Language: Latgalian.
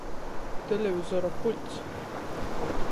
Televizora puļts.